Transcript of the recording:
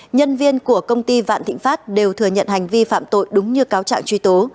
nhân viên của công ty vạn thịnh pháp đều thừa nhận hành vi phạm tội đúng như cáo trạng truy tố